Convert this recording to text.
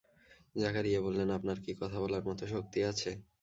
জাকারিয়া বললেন, আপনার কি কথা বলার মতো শক্তি আছে?